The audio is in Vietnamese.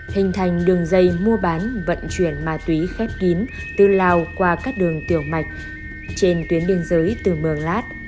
hình thành đường dây mua bán vận chuyển ma túy khép kín từ lào qua các đường tiểu mạch trên tuyến biên giới từ mường lát